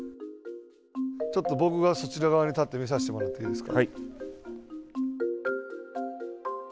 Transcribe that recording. ちょっと僕がそちら側に立って見させてもらっていいですか。